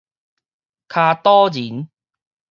跤肚仁